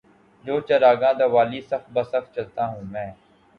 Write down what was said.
جوں چراغانِ دوالی صف بہ صف جلتا ہوں میں